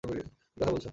কী কথা বলছ।